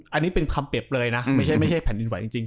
อันนี้เป็นคำเปรียบเลยนะไม่ใช่แผ่นดินไหวจริง